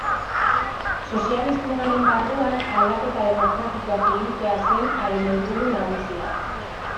Sozialismoaren barruan aldaketa demokratikoak egitea zen haren helburu nagusia.